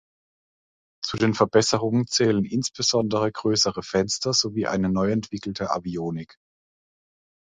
Zu den Verbesserungen zählen insbesondere größere Fenster sowie eine neuentwickelte Avionik.